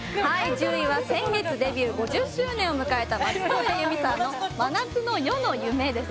１０位は先月デビュー５０周年を迎えた松任谷由実さんの「真夏の夜の夢」です